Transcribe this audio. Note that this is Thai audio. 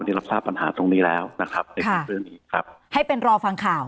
ได้รับทราบปัญหาตรงนี้แล้วนะครับในเรื่องนี้ครับให้เป็นรอฟังข่าว